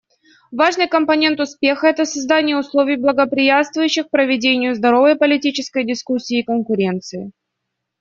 Важный компонент успеха — это создание условий, благоприятствующих проведению здоровой политической дискуссии и конкуренции.